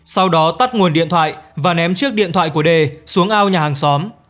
sau đó tắt nguồn điện thoại và ném chiếc điện thoại của đề xuống ao nhà hàng xóm